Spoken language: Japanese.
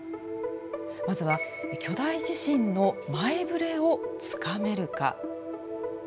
まずは巨大地震の「前ぶれ」をつかめるか？